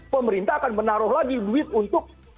pemerintah akan menaruh lagi duit untuk